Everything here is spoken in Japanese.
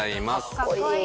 かっこいい！